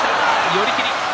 寄り切り。